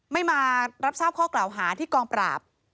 ไม่มารับทราบข้อกล่าวหาที่กองปราบ